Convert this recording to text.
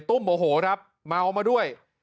ตุ้มโมโหครับเมามาด้วย